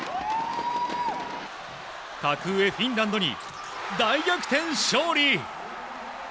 格上フィンランドに大逆転勝利！